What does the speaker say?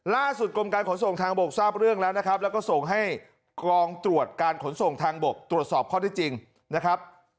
กรมการขนส่งทางบกทราบเรื่องแล้วนะครับแล้วก็ส่งให้กรองตรวจการขนส่งทางบกตรวจสอบข้อที่จริงนะครับ